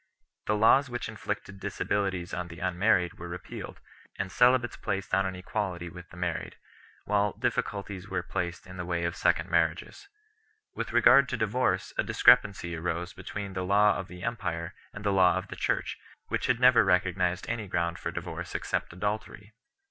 The laws which inflicted disabilities on the unmarried were repealed 5 , and celibates placed on an equality with the married; while difficulties were placed in the way of second marriages 6 . With regard to divorce a discrepancy arose between the law of the empire and the law of the Church, which had never re cognized any ground for divorce except adultery.